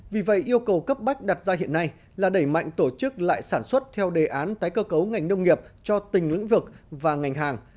vì vậy yêu cầu cấp bách đặt ra hiện nay là đẩy mạnh tổ chức lại sản xuất theo đề án tái cơ cấu ngành nông nghiệp cho từng lĩnh vực và ngành hàng